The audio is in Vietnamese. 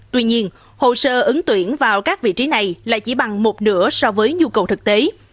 tuy nhiên hồ sơ ứng tuyển vào các vị trí này là chỉ bằng một nửa so với nhu cầu thực tế